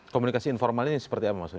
komunikasi informal ini seperti apa maksudnya